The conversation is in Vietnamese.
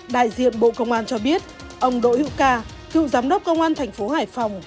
đại diện bộ công an cho biết ông đỗ hữu ca cựu giám đốc công an thành phố hải phòng